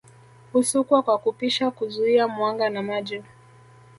Husukwa kwa kupisha kuzuia mwanga na maji